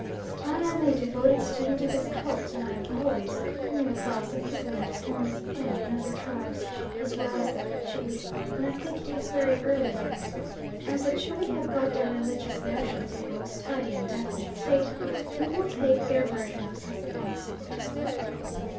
I am a devoted student of his cult and I am always coming across equivalent forms of him in other tribes as well as the Tschwi, and I think he is very early. As the Tschwi have got their religious notions in a most tidy and definite state, we will take their version of Sasabonsum.